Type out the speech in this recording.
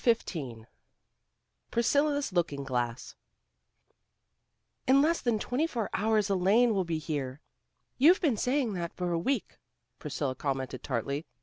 CHAPTER XV PRISCILLA'S LOOKING GLASS "In less than twenty four hours Elaine will be here." "You've been saying that for a week," Priscilla commented tartly.